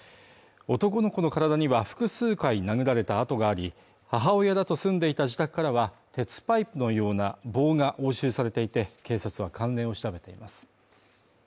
男の子の体には複数回殴られた痕があり、母親らと住んでいた自宅からは鉄パイプのような棒が押収されていて、警察は関連を調べています。